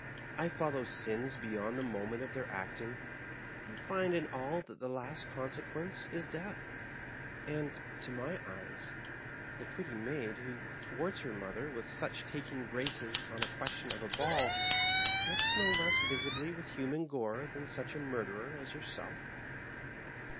I follow sins beyond the moment of their acting; I find in all that the last consequence is death ; and, to my eyes, the pretty maid who thwarts her mother with such taking graces on a question of a Digitized by VjOOQIC MAEKEEIM. 73 ball, drips no less visibly with human gore than such a murderer as yourself.